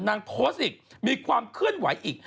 นางโพสต์อีกมีความเคลื่อนไหวอีก